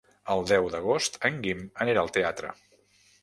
El deu d'agost en Guim anirà al teatre.